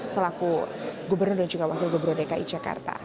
selaku gubernur dan juga wakil gubernur dki jakarta